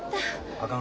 あかん。